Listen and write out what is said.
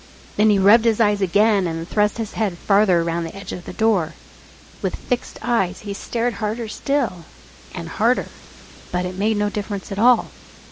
Then he rubbed his eyes again and thrust his head farther round the edge of the door. With fixed eyes he stared harder still, and harder. But it made no difference at all.